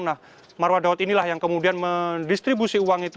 nah marwah daud inilah yang kemudian mendistribusi uang itu